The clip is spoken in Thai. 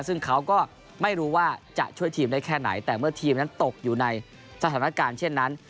ซึ่งเขาก็ไม่รู้ว่าจะช่วยทีมได้แค่ไหนแต่เมื่อทีมนั้นตกอยู่ในสถานการณ์เช่นนั้น